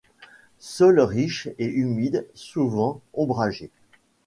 Sols riches et humides souvent ombragés.